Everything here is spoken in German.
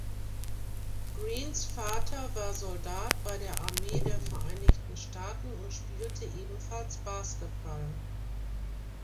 Greenes Vater war Soldat bei der Armee der Vereinigten Staaten und spielte ebenfalls Basketball.